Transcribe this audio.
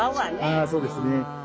あそうですね。